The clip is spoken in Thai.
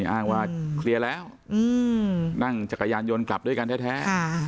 อ้างว่าเคลียร์แล้วนั่งจักรยานยนต์กลับด้วยกันแท้